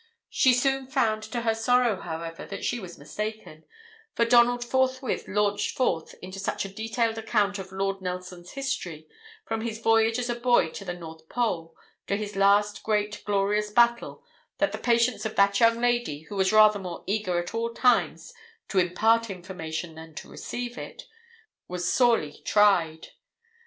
She soon found to her sorrow, however, that she was mistaken: for Donald forthwith launched forth into such a detailed account of Lord Nelson's history, from his voyage as a boy to the North Pole, to his last great, glorious battle, that the patience of that young lady, who was rather more eager at all times to impart information than to receive it, was sorely tried.